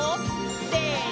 せの！